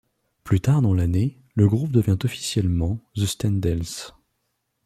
Plus tard dans l'année, le groupe devient officiellement The Standells.